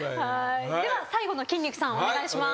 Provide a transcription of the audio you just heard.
では最後の筋肉さんお願いします。